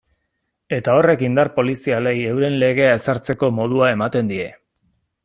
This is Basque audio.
Eta horrek indar polizialei euren legea ezartzeko modua ematen die.